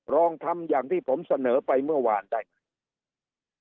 ลองทำอย่างที่ผมเสนอไปเมื่อวานได้ไหม